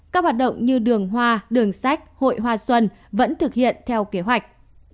các hoạt động như đường hoa đường sách hội hoa xuân vẫn thực hiện theo kế hoạch